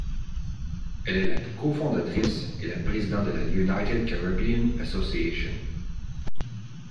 Elle est la cofondatrice et la présidente de la United Caribbean Association.